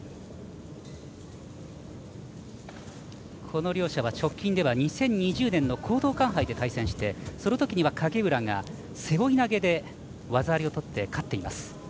この両者は直近では２０２０年の講道館杯で対戦してそのときは影浦が背負い投げで技ありをとって勝っています。